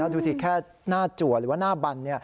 ดูสิแค่หน้าจัวหรือว่าหน้าบัน